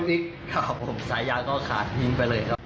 รถอีกครับผมสายยางก็ขาดยิงไปเลยครับ